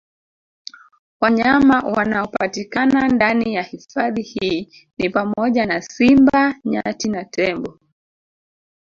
Wanyama wanaopatikana ndani ya hifadhi hii ni pamoja na Simba Nyati na Tembo